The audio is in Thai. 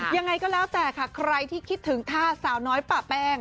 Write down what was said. ยังไงก็แล้วแต่ค่ะใครที่คิดถึงท่าสาวน้อยป่าแป้ง